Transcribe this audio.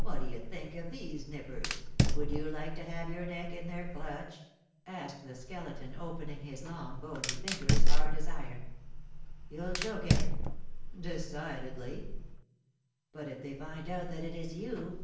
"What do you think of these nippers, would you like to have your neck in their clutch?" asked the Skeleton, opening his long bony fingers, hard as iron. "You'll choke him?" "Decidedly." "But if they find out that it is you?"